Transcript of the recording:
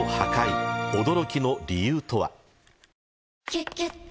「キュキュット」